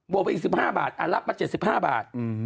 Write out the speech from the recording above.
วกไปอีก๑๕บาทรับมา๗๕บาท